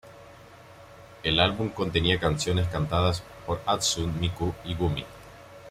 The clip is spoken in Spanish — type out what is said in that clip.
El álbum contenía canciones cantadas por Hatsune Miku y Gumi.